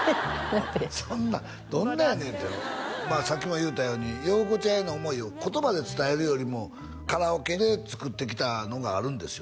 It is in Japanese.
そんなどんなやねんってさっきも言うたようによう子ちゃんへの思いを言葉で伝えるよりもカラオケで作ってきたのがあるんですよね